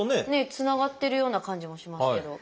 つながってるような感じもしますけど。